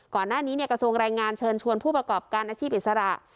ก่อนหน้านี้เนี่ยกระทรวงรายงานเชิญชวนผู้ประกอบการอาชีพอิสระ